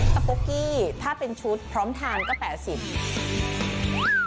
ปุ๊กกี้ถ้าเป็นชุดพร้อมทานก็๘๐บาท